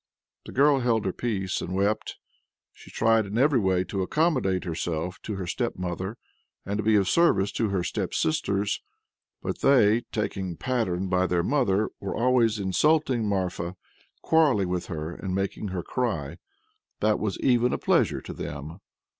The girl held her peace, and wept; she tried in every way to accommodate herself to her stepmother, and to be of service to her stepsisters. But they, taking pattern by their mother, were always insulting Marfa, quarrelling with her, and making her cry: that was even a pleasure to them!